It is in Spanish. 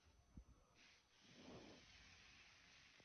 La frecuencia es estable frente a variaciones de la tensión de alimentación.